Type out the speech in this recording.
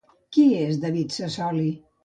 Qui és David Sassoli?